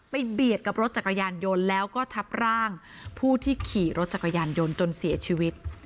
เบียดกับรถจักรยานยนต์แล้วก็ทับร่างผู้ที่ขี่รถจักรยานยนต์จนเสียชีวิต